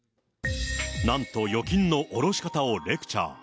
なんと預金の下ろし方をレクチャー。